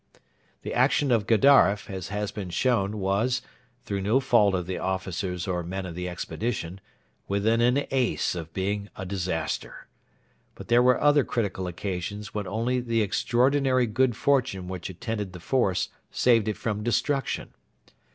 The action of Gedaref, as has been shown, was, through no fault of the officers or men of the expedition, within an ace of being a disaster. But there were other critical occasions when only the extraordinary good fortune which attended the force saved it from destruction.